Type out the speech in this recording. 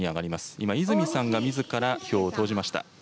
今、泉さんがみずから票を投じました。